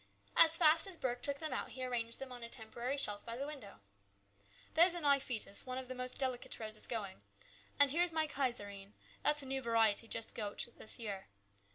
As fast as Burke took them out he arranged them on a temporary shelf by the window. "There's a Nyphetis, one of the most delicate roses going. And here is my Keizerine ; that's a new variety just out this year.